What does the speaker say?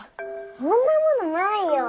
そんなものないよ。